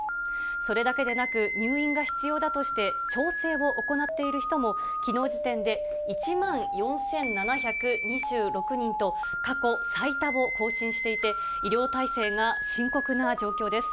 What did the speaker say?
それだけでなく、入院が必要だとして調整を行っている人も、きのう時点で１万４７２６人と、過去最多を更新していて、医療体制が深刻な状況です。